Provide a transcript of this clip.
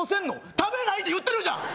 食べないって言ってるじゃん！